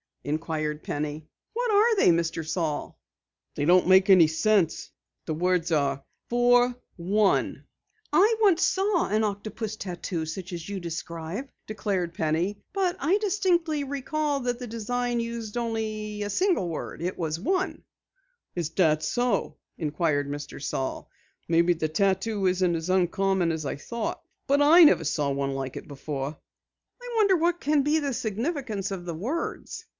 inquired Penny. "What are they, Mr. Saal?" "They don't make sense. The words are For One." "I once saw an octopus tattoo such as you describe," declared Penny. "But I distinctly recall that the design used only a single word. It was One." "Is that so?" inquired Mr. Saal. "Maybe the tattoo isn't as uncommon as I thought. But I never saw one like it before." "I wonder what can be the significance of the words?"